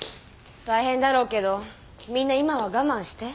大変だろうけどみんな今は我慢して。